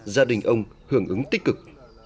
gia đình ông hưởng ứng tích cực